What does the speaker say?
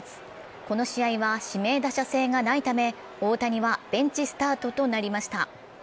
この試合は指名打者制がないため大谷はベンチスタートとなりました。